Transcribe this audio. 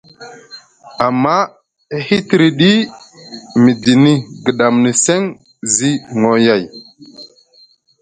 Amma e hitriɗi midini gɗamni seŋ zi noyay.